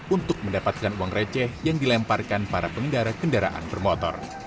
untuk mendapatkan uang receh yang dilemparkan para pengendara kendaraan bermotor